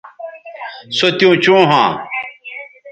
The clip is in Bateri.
سو تیوں چوں ھواں